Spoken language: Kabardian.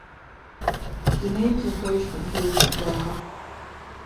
Дунейм техуэжыркъым фи угъурсызагъыр.